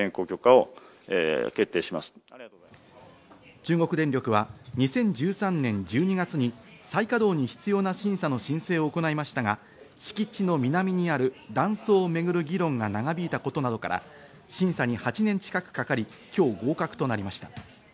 中国電力は２０１３年１２月に再稼働に必要な審査の申請を行いましたが、敷地の南にある、断層を巡る議論が長引いたことなどから審査に８年近くかかり今日合格となりました。